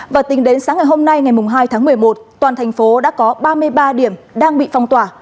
và tính đến sáng ngày hôm nay ngày hai tháng một mươi một toàn thành phố đã có ba mươi ba điểm đang bị phong tỏa